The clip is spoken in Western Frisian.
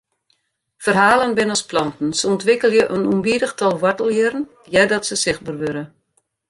Ferhalen binne as planten, se ûntwikkelje in ûnbidich tal woartelhierren eardat se sichtber wurde.